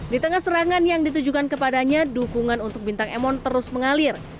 di tengah serangan yang ditujukan kepadanya dukungan untuk bintang emon terus mengalir